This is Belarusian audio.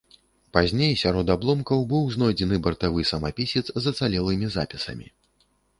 Пазней сярод абломкаў быў знойдзены бартавы самапісец з ацалелымі запісамі.